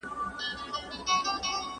زه به د کتابتون لپاره کار کړي وي.